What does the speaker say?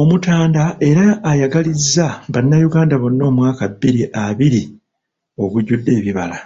Omutanda era ayagalizza Bannayuganda bonna omwaka bbiri abiri ogujjudde ebibala.